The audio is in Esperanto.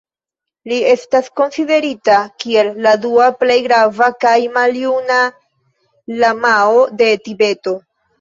Li estas konsiderita kiel la dua plej grava kaj maljuna lamao de Tibeto.